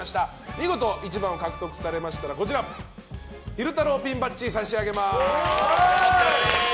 見事１番を獲得されましたら昼太郎ピンバッジを差し上げます。